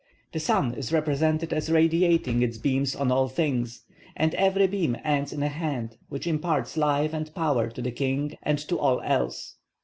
The sun is represented as radiating its beams on all things, and every beam ends in a hand which imparts life and power to the king and to all else.